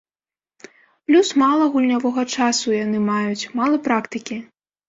Плюс мала гульнявога часу яны маюць, мала практыкі.